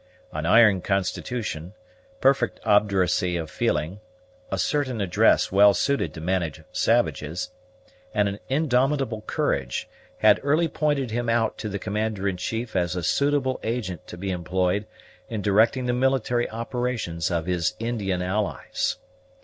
An iron constitution, perfect obduracy of feeling, a certain address well suited to manage savages, and an indomitable courage, had early pointed him out to the commander in chief as a suitable agent to be employed in directing the military operations of his Indian allies.